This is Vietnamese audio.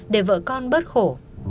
để vợ con bớt khổ